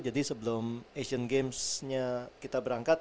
jadi sebelum asian games nya kita berangkat